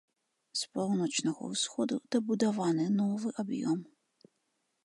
З паўночнага ўсходу дабудаваны новы аб'ём.